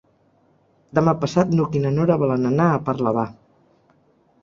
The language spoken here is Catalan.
Demà passat n'Hug i na Nora volen anar a Parlavà.